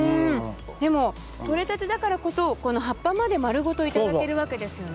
でもとれたてだからこそこの葉っぱまで丸ごと頂けるわけですよね。